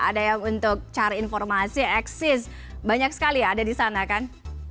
ada yang untuk cari informasi eksis banyak sekali ya ada di sana kan